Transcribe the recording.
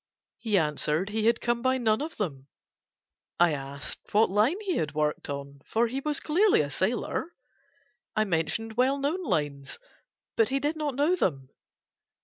He answered he had come by none of them. I asked him what line he worked on, for he was clearly a sailor; I mentioned well known lines, but he did not know them.